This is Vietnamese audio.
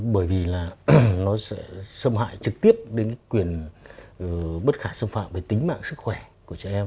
bởi vì là nó sẽ xâm hại trực tiếp đến quyền bất khả xâm phạm về tính mạng sức khỏe của trẻ em